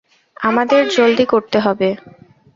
আমাদের জলদি করতে হবে।